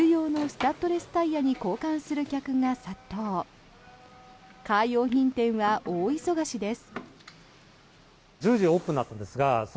カー用品店は大忙しです。